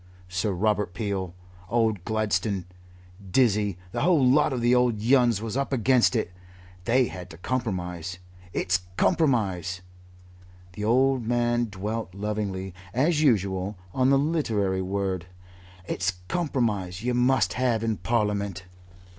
Sir Robert Peel, old Gladstone, Dizzy, the whole lot of the old Yuns was up against it. They had to compromise. It's compromise" the old man dwelt lovingly, as usual, on the literary word "it's compromise you must have in Parliament."